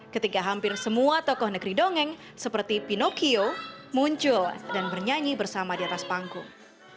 ketika hampir semua tokoh negeri dongeng seperti pinocchio muncul dan bernyanyi bersama di atas panggung